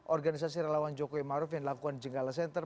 organisasi relawan jokowi maruf yang dilakukan jenggala center